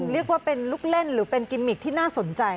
เรียกว่าเป็นลูกเล่นหรือเป็นกิมมิกที่น่าสนใจ